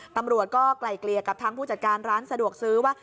ตำรวจก็ไกลเกลี่ยกับทางผู้จัดการร้านสะดวกซื้อว่า